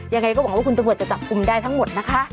ยังไงก็หวังว่าคุณตำรวจจะจับกลุ่มได้ทั้งหมดนะคะ